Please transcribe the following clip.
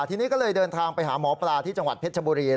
ทีนี้ก็เลยเดินทางไปหาหมอปลาที่จังหวัดเพชรชบุรี